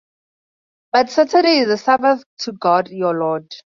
But Saturday is the Sabbath to God your Lord.